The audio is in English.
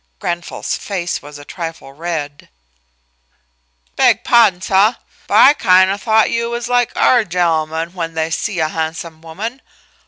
Grenfall's face was a trifle red. "Beg pahdon, suh; but I kind o' thought you was like orh' gent'men when they see a han'some woman.